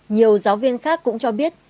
nhiều giáo viên khác cũng cho biết